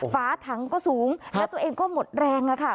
ฝาถังก็สูงแล้วตัวเองก็หมดแรงอะค่ะ